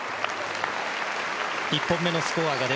１本目のスコア